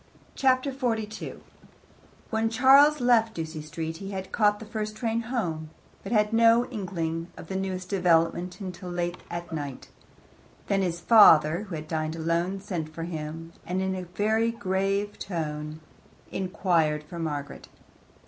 Chapter 42 When Charles left Ducie Street he had caught the first train home, but had no inkling of the newest development until late at night. Then his father, who had dined alone, sent for him, and in very grave tones inquired for Margaret.